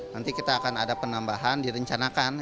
nanti kita akan ada penambahan direncanakan